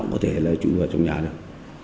cũng có thể là trụ vào trong nhà được